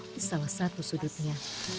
di salah satu sudutnya